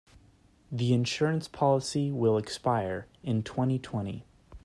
The insurance policy will expire in twenty-twenty.